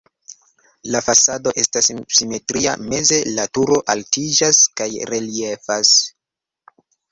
La fasado estas simetria, meze la turo altiĝas kaj reliefas.